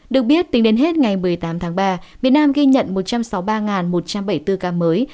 được biết tính đến hết ngày một mươi tám tháng ba việt nam ghi nhận một trăm sáu mươi ba một trăm bảy mươi bốn ca mới